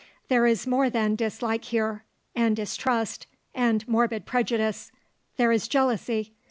There is more than dislike here, and distrust, and morbid prejudice. There is jealousy.